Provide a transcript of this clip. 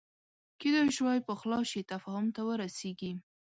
کېدای شوای پخلا شي تفاهم ته ورسېږي